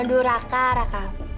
aduh raka raka